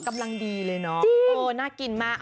น่ากินมาก